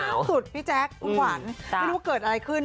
แต่ว่าล่างสุดพี่แจ๊คคุณขวานไม่รู้เกิดอะไรขึ้น